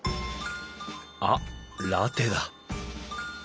あっラテだ！